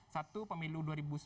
satu pemilu dua ribu sembilan belas